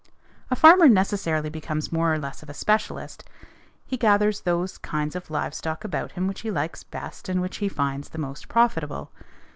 _ A farmer necessarily becomes more or less of a specialist; he gathers those kinds of live stock about him which he likes best and which he finds the most profitable.